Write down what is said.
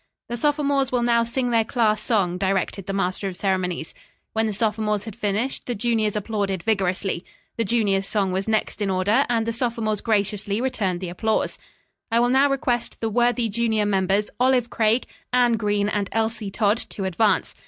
"The sophomores will now sing their class song," directed the master of ceremonies. When the sophomores had finished, the juniors applauded vigorously. The juniors' song was next in order and the sophomores graciously returned the applause. "I will now request the worthy junior members Olive Craig, Anne Green and Elsie Todd, to advance.